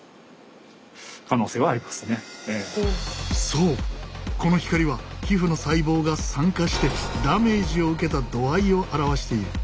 そうこの光は皮膚の細胞が酸化してダメージを受けた度合いを表している。